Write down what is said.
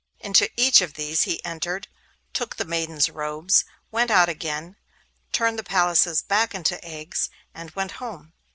Into each of these he entered, took the maidens' robes, went out again, turned the palaces back into eggs, and went home.